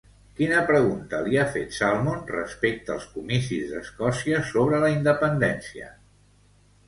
Quina pregunta li ha fet Salmond, respecte als comicis d'Escòcia sobre la independència?